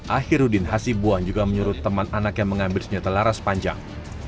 akhirudin hasibuan juga menyuruh teman anak yang mengambil senjata laras panjang